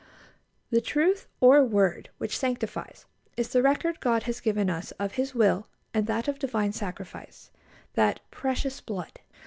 The truth or word which sanctifies is the record God has given us of His will and of that Divine Sacrifice, that "precious blood."